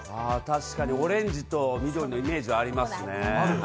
確かに、オレンジと緑のイメージがありますね。